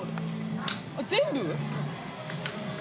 全部？